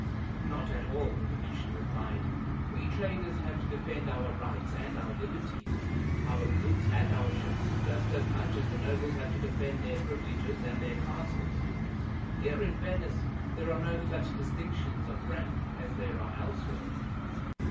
"Not at all," the Venetian replied. "We traders have to defend our rights and our liberties, our goods and our ships, just as much as the nobles have to defend their privileges and their castles. Here in Venice there are no such distinctions of rank as there are elsewhere.